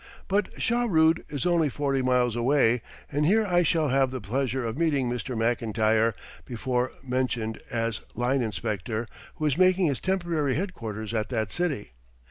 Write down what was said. But Shahrood is only forty miles away, and here I shall have the pleasure of meeting Mr. McIntyre, before mentioned as line inspector, who is making his temporary headquarters at that city.